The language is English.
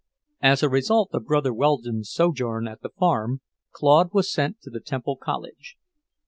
As a result of Brother Weldon's sojourn at the farm, Claude was sent to the Temple College.